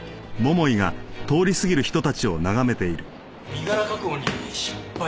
身柄確保に失敗？